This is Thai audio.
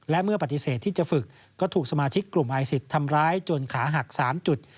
และเมื่อปฏิเสธที่จะฝึกก็ถูกสมาชิกกลุ่มไอซิสทำร้ายจนขาหัก๓จุด